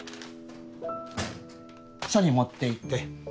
署に持って行って。